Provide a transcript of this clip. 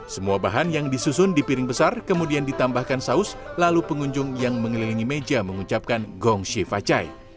semua bahan yang disusun di piring besar kemudian ditambahkan saus lalu pengunjung yang mengelilingi meja mengucapkan gongsi facai